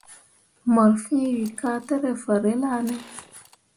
Mor fẽẽ we ka tǝ rǝ fahrel ya ne ?